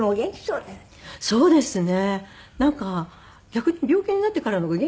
そうですね。